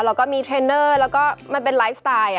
แล้วก็มีเทรนเนอร์แล้วก็มันเป็นไลฟ์สไตล์